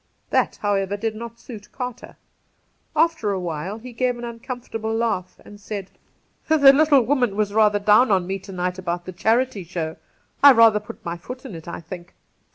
That, however, did not suit Carter. After awhile he gave an uncomfortable laugh, and said : 'The little woman was rather down on me to night about the charity show. I rather put my foot in it, I think.'